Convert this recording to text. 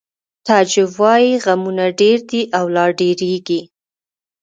تعجب وایی غمونه ډېر دي او لا ډېرېږي